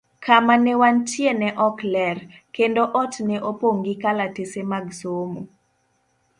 Kama ne wantie ne ok ler, kendo ot ne opong' gi kalatese mag somo.